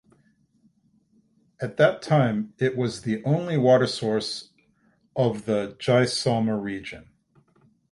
At that time it was the only water source of the Jaisalmer region.